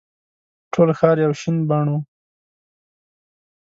ټول ښار یو شین بڼ وو.